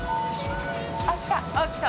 あっ来た。